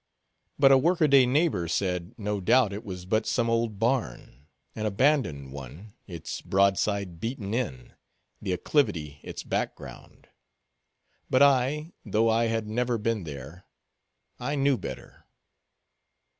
But a work a day neighbor said, no doubt it was but some old barn—an abandoned one, its broadside beaten in, the acclivity its background. But I, though I had never been there, I knew better.